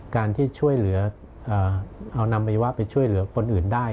การที่ช่วยเหลือเอานำอวัยวะไปช่วยเหลือคนอื่นได้